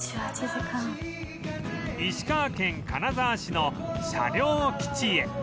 石川県金沢市の車両基地へ